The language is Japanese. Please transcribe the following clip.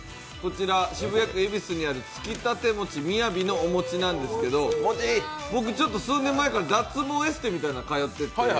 渋谷区恵比寿にある、つきたて餅雅やのお餅なんですけど、僕、数年前から脱毛エステみたいなん通ってて。